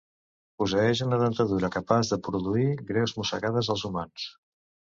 Posseeix una dentadura capaç de produir greus mossegades als humans.